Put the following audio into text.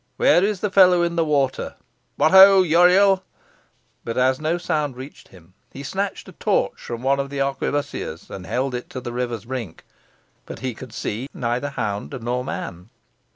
Where is the fellow in the water? What, ho, Uriel!" But as no sound reached him, he snatched a torch from one of the arquebussiers and held it to the river's brink. But he could see neither hound nor man.